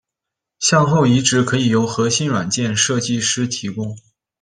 向后移植可以由核心软件设计师提供。